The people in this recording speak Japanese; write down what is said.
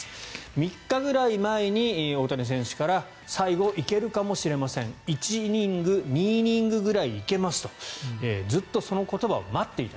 ３日ぐらい前に大谷選手から最後、いけるかもしれません１イニング２イニングくらい行けますとずっとその言葉を待っていた。